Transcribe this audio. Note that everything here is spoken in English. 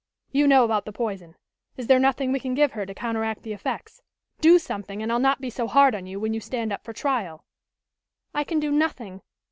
"You know about the poison. Is there nothing we can give her to counteract the effects? Do something, and I'll not be so hard on you when you stand up for trial." "I can do nothing.